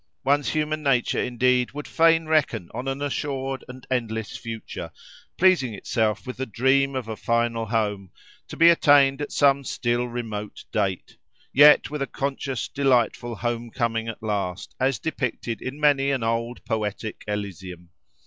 One's human nature, indeed, would fain reckon on an assured and endless future, pleasing itself with the dream of a final home, to be attained at some still remote date, yet with a conscious, delightful home coming at last, as depicted in many an old poetic Elysium.